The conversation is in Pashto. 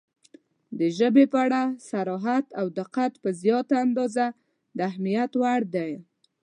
• د ژبې په اړه صراحت او دقت په زیاته اندازه د اهمیت وړ دی.